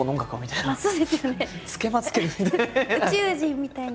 宇宙人みたいな。